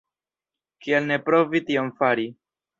Kial ne provi tion fari?